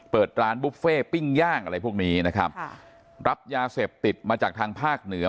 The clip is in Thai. เปิดร้านบุฟเฟ่ปิ้งย่างอะไรพวกนี้นะครับค่ะรับยาเสพติดมาจากทางภาคเหนือ